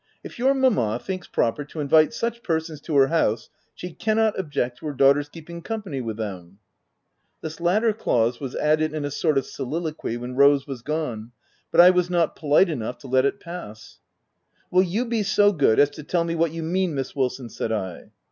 If your mamma thinks proper to invite such persons to her house, she cannot object to her daughter's keeping company with them/' 158 THE TENANT This latter clause was added in a sort of so liloquy when Rose was gone ; but I was not polite enough to let it pass :" Will you be so good as to tell me what you mean, Miss Wilson ?'* said I.